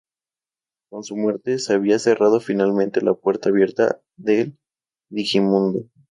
Con su muerte, se había cerrado finalmente la puerta abierta del Digimundo.